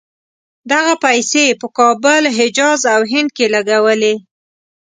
دغه پیسې یې په کابل، حجاز او هند کې لګولې.